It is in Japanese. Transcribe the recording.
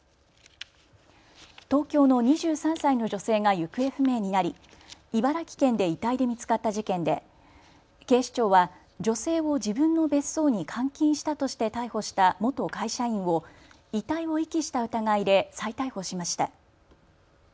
東京の２３歳の女性が行方不明になり、茨城県で遺体で見つかった事件で警視庁は女性を自分の別荘に監禁したとして逮捕した元会社員を遺体を遺棄した疑いで再逮捕しました。